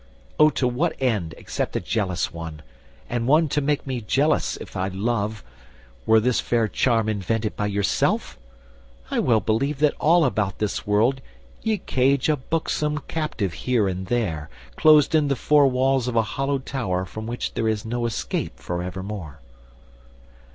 O to what end, except a jealous one, And one to make me jealous if I love, Was this fair charm invented by yourself? I well believe that all about this world Ye cage a buxom captive here and there, Closed in the four walls of a hollow tower From which is no escape for evermore."